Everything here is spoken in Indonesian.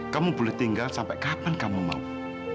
kamu boleh tinggal sampai kapan kamu mau